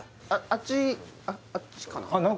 あっちあっちかな？